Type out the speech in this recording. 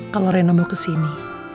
kalau rena mau kesini